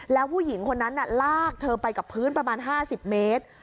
แล้วผู้หญิงคนนั้นลากเธอไปกับพื้นประมาณ๕๐เมตร